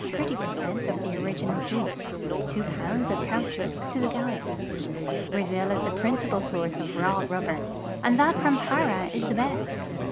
0 per cent of tlu; original juici", two pounds of caoutchouc to the gallon. Brazil is the [)rinci|)a.l source of raw rublxM'. and that from Para is the best.